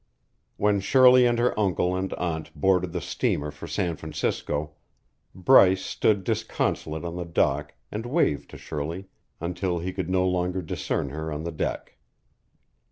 When Shirley and her uncle and aunt boarded the steamer for San Francisco, Bryce stood disconsolate on the dock and waved to Shirley until he could no longer discern her on the deck.